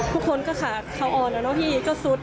ทุกคนก็ขาดเขาอ่อนแล้วเนอะพี่ก็สุด